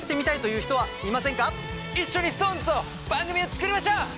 一緒にＳｉｘＴＯＮＥＳと番組を作りましょう！